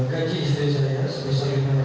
gaji istri saya sebesar rp satu juta